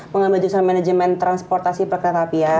pengambilan jusremen manajemen transportasi perkereta apian